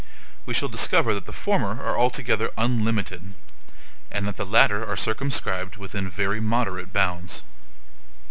We shall discover that the former are altogether unlimited, and that the latter are circumscribed within very moderate bounds.